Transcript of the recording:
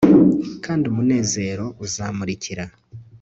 kandi umunezero uzamurikira